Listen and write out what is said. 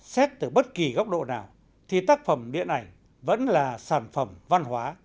xét từ bất kỳ góc độ nào thì tác phẩm điện ảnh vẫn là sản phẩm văn hóa